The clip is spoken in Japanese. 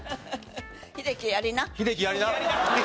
「英樹やりな」。